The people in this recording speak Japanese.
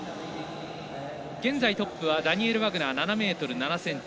現在、トップはダニエル・ワグナー７ｍ７ｃｍ。